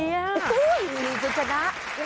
อุ๊ยมีจริงนะ